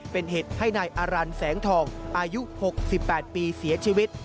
เป็นเหตุให้นายอารันแสงทองอายุ๖๘ปีเสียชีวิต